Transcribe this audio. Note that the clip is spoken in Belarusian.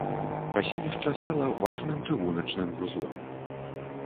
Паселішча стала важным чыгуначным вузлом.